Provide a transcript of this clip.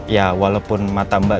ya walaupun mata mbak